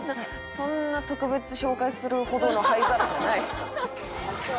「そんな特別紹介するほどの灰皿じゃない」